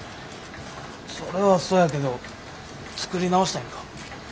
それはそうやけど作り直したいんか？